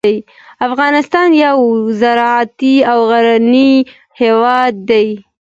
افغانستان یو زراعتي او غرنی هیواد دی.